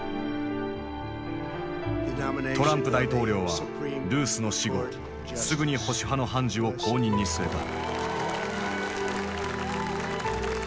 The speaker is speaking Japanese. トランプ大統領はルースの死後すぐに保守派の判事を後任に据えた。